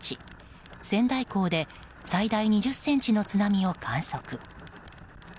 仙台港で最大２０ｃｍの津波を観測。